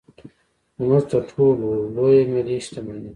زموږ تر ټولو لویه ملي شتمني.